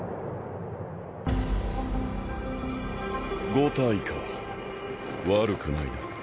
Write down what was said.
５体か悪くないな。